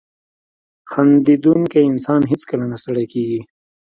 • خندېدونکی انسان هیڅکله نه ستړی کېږي.